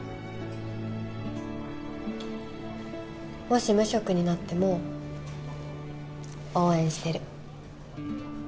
もし無職になっても応援してる。